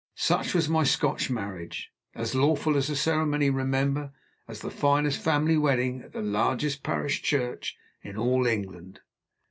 Such was my Scotch marriage as lawful a ceremony, remember, as the finest family wedding at the largest parish church in all England.